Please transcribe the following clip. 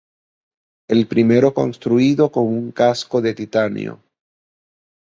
El primero construido con un casco de titanio.